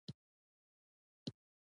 د سیمې ډېرو کتونکو ته دا ډله اشنا ده